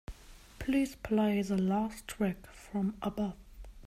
Please play the last track from abbath